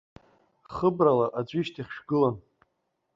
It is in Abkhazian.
Хыбрала аӡәы ишьҭахь шәгылам.